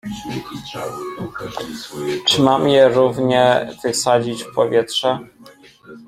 "Czy mam je równie wysadzić w powietrze?"